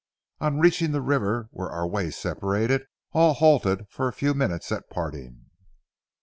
On reaching the river, where our ways separated, all halted for a few minutes at parting.